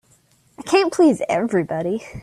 I can't please everybody.